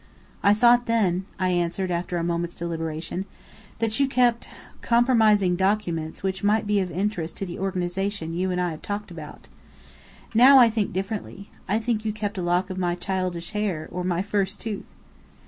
"I thought then," I answered after a moment's deliberation, "that you kept compromising documents which might be of interest to the organization you and I have talked about. Now I think differently. I think you kept a lock of my childish hair, or my first tooth."